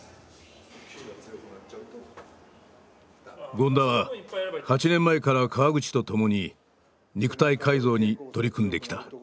権田は８年前から河口とともに肉体改造に取り組んできた。